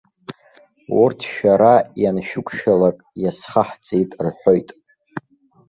Урҭ шәара ианшәықәшәалак иазхаҳҵеит рҳәоит.